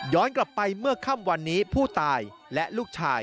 กลับไปเมื่อค่ำวันนี้ผู้ตายและลูกชาย